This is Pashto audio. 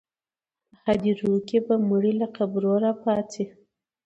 په هدیرو کې به مړي له قبرونو راپاڅي.